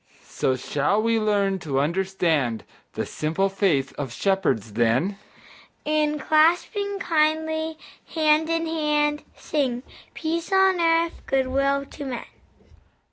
So shall we learn to understand The simple faith of shepherds then, And, clasping kindly, hand in hand, Sing, "Peace on earth, good will to men."